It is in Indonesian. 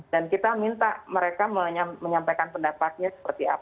dan kita minta mereka menyampaikan pendapatnya seperti apa